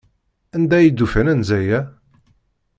Anda ay d-ufan anza-a?